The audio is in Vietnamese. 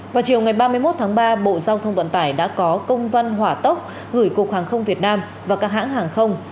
vào chiều ngày ba mươi một tháng ba bộ giao thông vận tải đã có công văn hỏa tốc gửi cục hàng không việt nam và các hãng hàng không